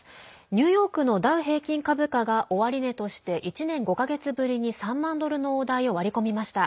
ニューヨークのダウ平均株価が終値として１年５か月ぶりに３万ドルの大台を割り込みました。